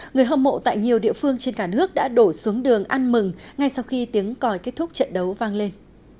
người hâm mộ tại nhiều địa phương trên cả nước đã đổ xuống đường ăn mừng ngay sau khi tiếng còi kết thúc trận đấu vang lên